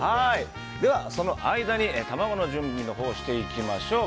ではその間に卵の準備をしていきましょう。